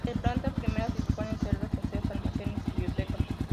En planta primera se disponen celdas, aseos, almacenes y biblioteca.